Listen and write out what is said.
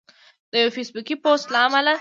د یو فیسبوکي پوسټ له امله